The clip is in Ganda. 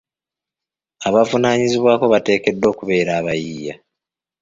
Abavunaanyizibwako bateekeddwa okubeera abayiiya.